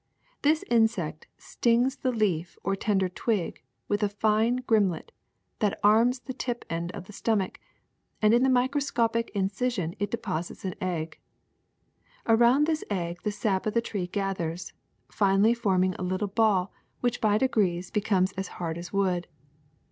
This insect stings the leaf or tender twig with a fine gimlet that arms the tip end of its stomach, and in the microscopic incision it deposits an egg. Around this egg the sap of the tree gathers, finally forming a little ball which by degrees becomes as hard as wood.